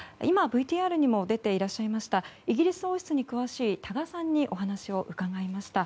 今、ＶＴＲにも出ていらっしゃいましたイギリス王室に詳しい多賀さんにお話を伺いました。